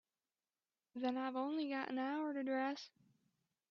Then I've only got an hour to dress.